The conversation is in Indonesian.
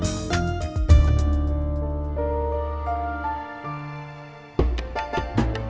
ya udah aku tunggu